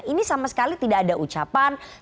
ini sama sekali tidak ada ucapan